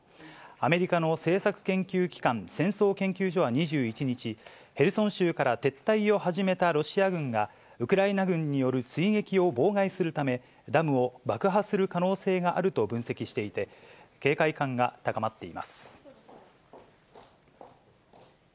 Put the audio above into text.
アメリカの政策研究機関、戦争研究所は２１日、ヘルソン州から撤退を始めたロシア軍が、ウクライナ軍による追撃を妨害するため、ダムを爆破する可能性があると分析していて、警戒感が高まっています。